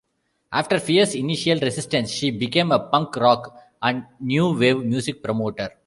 After fierce initial resistance, she became a punk rock and new wave music promoter.